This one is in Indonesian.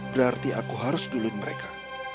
berarti aku harus duluin mereka